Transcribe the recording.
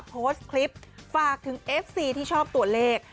โพสต์คลิปฝากถึงเอฟซีที่ชอบตัวเลข